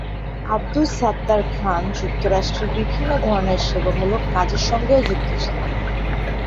আবদুস সাত্তার খান যুক্তরাষ্ট্রে বিভিন্ন ধরনের সেবামূলক কাজের সঙ্গেও যুক্ত ছিলেন।